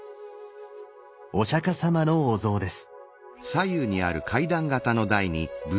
お釈様のお像です。